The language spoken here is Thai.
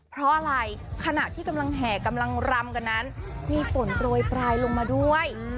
เพราะอะไรขณะที่กำลังแห่กำลังรำกันนั้นมีฝนโปรยปลายลงมาด้วย